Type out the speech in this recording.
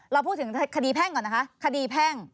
เราพูดถึงคดีแพ่งก่อนนะคะ